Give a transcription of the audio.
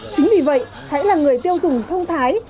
chính vì vậy hãy là người tiêu dùng thông thái